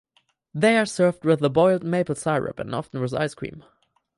They are served with the boiled maple syrup and often with ice cream.